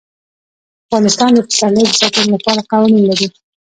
افغانستان د پسرلی د ساتنې لپاره قوانین لري.